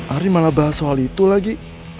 ari malah bahas soal itu lagi